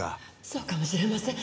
そうかもしれません。